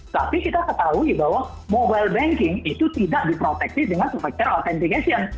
tapi kita ketahui bahwa mobile banking itu tidak diproteksi dengan sufacture authentication